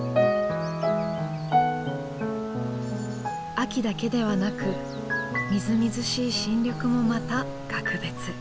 秋だけではなくみずみずしい新緑もまた格別。